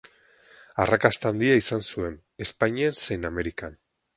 Arrakasta handia izan zuen, Espainian zein Amerikan.